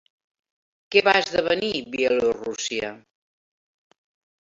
Què va esdevenir Bielorússia?